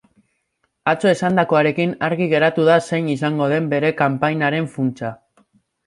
Atzo esandakoarekin, argi geratu da zein izango den bere kanpainaren funtsa.